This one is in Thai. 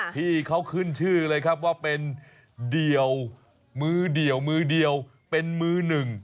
พี่เขาขึ้นชื่อเลยครับว่าเป็นเดี่ยวมือเดี่ยวมือเดียวเป็นมือหนึ่ง